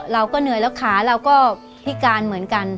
เราก็เหนื่อยแล้วขาเราก็พิการเหมือนกัน